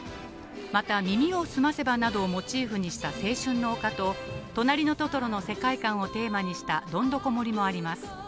また、耳をすませばなどをモチーフにした青春の丘と、となりのトトロの世界観をテーマにした、どんどこ森もあります。